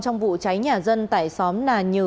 trong vụ cháy nhà dân tại xóm nà nhừ